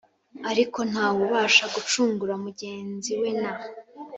Ariko nta wubasha gucungura mugenzi we na